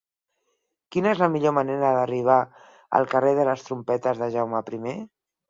Quina és la millor manera d'arribar al carrer de les Trompetes de Jaume I?